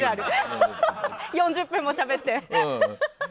４０分もしゃべって。